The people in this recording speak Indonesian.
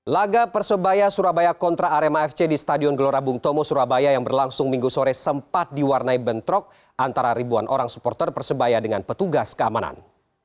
laga persebaya surabaya kontra arema fc di stadion gelora bung tomo surabaya yang berlangsung minggu sore sempat diwarnai bentrok antara ribuan orang supporter persebaya dengan petugas keamanan